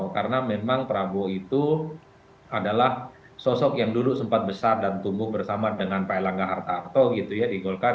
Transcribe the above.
karena memang prabowo itu adalah sosok yang dulu sempat besar dan tumbuh bersama dengan pak elangga hartarto gitu ya di golkar